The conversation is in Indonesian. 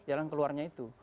jalan keluarnya itu